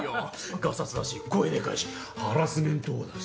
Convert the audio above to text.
がさつだし声でかいしハラスメント王だし。